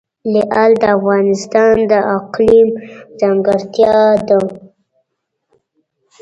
لعل د افغانستان د اقلیم ځانګړتیا ده.